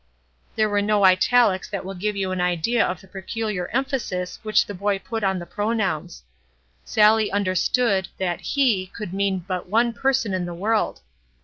There are no italics that will give you an idea of the peculiar emphasis which the boy put on the pronouns. Sallie understood; that "he" could mean but one person in the world.